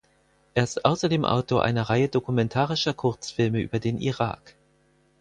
Er ist außerdem Autor einer Reihe dokumentarischer Kurzfilme über den Irak.